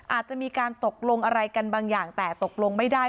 อาจจะมีการตกลงอะไรกันบางอย่างแต่ตกลงไม่ได้